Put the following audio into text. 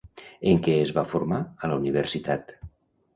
En què es va formar a la universitat?